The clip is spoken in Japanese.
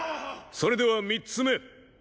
それでは三つ目。